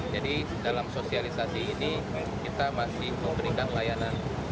jadi dalam sosialisasi ini kita masih memberikan layanan